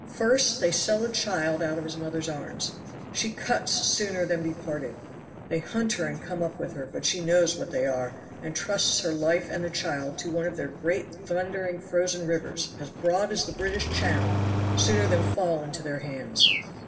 First they sell a child out of his mother's arms. She cuts sooner than be parted. They hunt her and come up with her; but she knows what they are, and trusts her life and the child to one of their great thundering frozen rivers as broad as the British Channel sooner than fall into their hands.